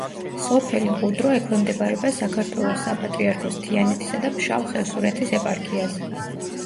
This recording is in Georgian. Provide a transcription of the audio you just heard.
სოფელი ყუდრო ექვემდებარება საქართველოს საპატრიარქოს თიანეთისა და ფშავ-ხევსურეთის ეპარქიას.